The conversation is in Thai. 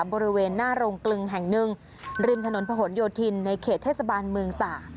บริเวณหน้าโรงกลึงแห่งหนึ่งริมถนนผนโยธินในเขตเทศบาลเมืองตาก